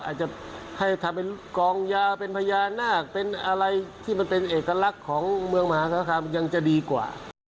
อาจจะให้ทำเป็นกองยาเป็นพญานาคเป็นอะไรที่มันเป็นเอกลักษณ์ของเมืองมหาศาลคามยังจะดีกว่า